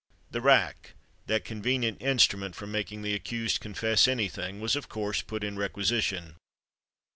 The rack, that convenient instrument for making the accused confess any thing, was of course put in requisition.